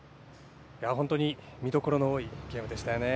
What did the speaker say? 本当に見どころの多いゲームでしたよね。